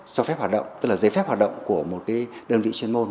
cho phép hoạt động tức là giấy phép hoạt động của một đơn vị chuyên môn